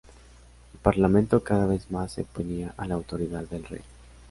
El parlamento cada vez más se oponía a la autoridad del rey.